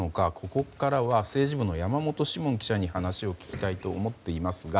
ここからは政治部の山本志門記者に話を聞きたいと思っていますが。